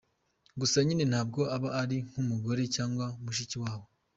gusa nyine ntabwo aba ari nk’umugore cyangwa mushiki wawe.